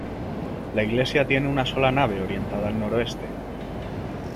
La iglesia tiene una sola nave, orientada al noroeste.